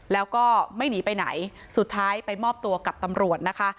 แล้วก็ไม่หนีไปไหนสุดท้ายไปมอบตัวกับตำรวจนะคะ